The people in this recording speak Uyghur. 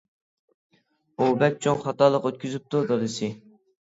-ئۇ بەك چوڭ خاتالىق ئۆتكۈزۈپتۇ دادىسى.